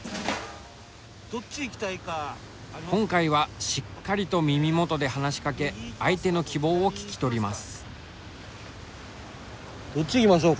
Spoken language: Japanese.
今回はしっかりと耳元で話しかけ相手の希望を聞き取ります。